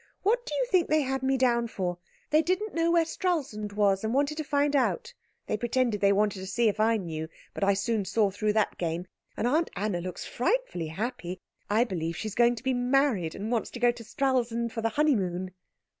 What do you think they had me down for? They didn't know where Stralsund was, and wanted to find out. They pretended they wanted to see if I knew, but I soon saw through that game. And Aunt Anna looks frightfully happy. I believe she's going to be married, and wants to go to Stralsund for the honeymoon."